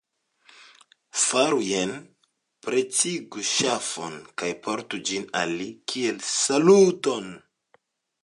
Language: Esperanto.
Faru jene: pretigu ŝafon kaj portu ĝin al li kiel saluton.